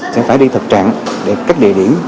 sẽ phải đi thật trạng đẹp các địa điểm